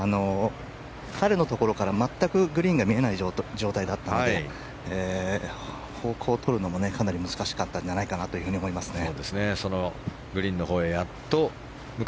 彼のところから、全くグリーンが見えない状態だったので方向をとるのもかなり難しかったんじゃないかなと思いますね。